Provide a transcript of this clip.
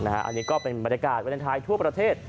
อันนี้ก็เป็นบรรยากาศวาเลนไทยทั่วประเทศ